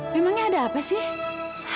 memangnya ada apa sih